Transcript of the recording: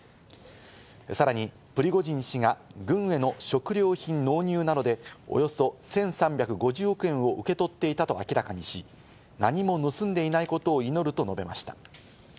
さらにプリゴジン氏が軍への食料品納入などで、およそ１３５０億円を受け取っていたと明らかにし、何も盗んでいないことを祈ると述べました。